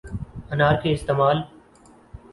انار کے استعمال